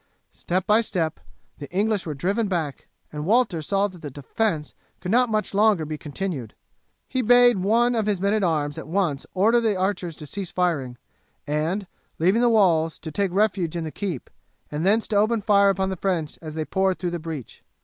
Step by step the English were driven back, and Walter saw that the defence could not much longer be continued. He bade one of his men at arms at once order the archers to cease firing, and, leaving the walls, to take refuge in the keep, and thence to open fire upon the French as they poured through the breach.